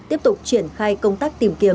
tiếp tục triển khai công tác tìm kiếm